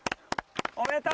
おめでとう。